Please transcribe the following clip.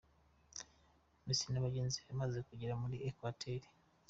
Messi na bagenzi be bamaze kugera muri Ecuateur.